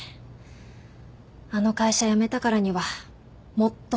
あの会社辞めたからにはもっと成功させないと。